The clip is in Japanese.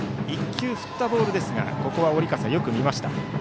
１球振ったボールですが織笠、よく見ました。